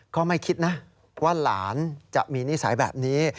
ก็ไม่คิดนะว่าหลานจะมีนิสัยแบบนี้